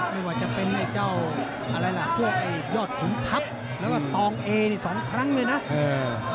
ไม่แพ้ใครเลยเลยนะครับ